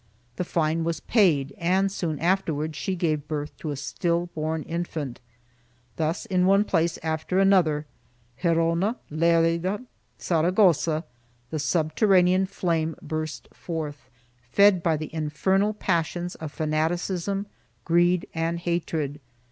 The fine was paid and soon afterwards she gave birth to a still born infant.2 Thus in one place after another — Gerona, Lerida, Saragossa — the subterranean flame burst forth, fed by the infernal passions of fanaticism, greed and hatred.